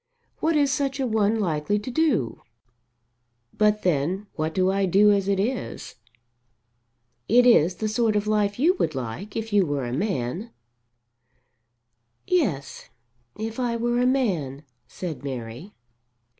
What is such a one likely to do? But then what do I do, as it is? It is the sort of life you would like, if you were a man." "Yes, if I were a man," said Mary.